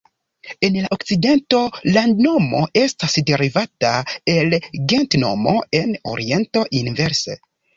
En okcidento landnomo estas derivata el gentnomo; en oriento inverse.